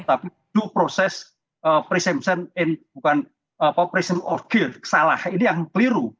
tapi due process presumption in bukan presumption of guilt salah ini yang keliru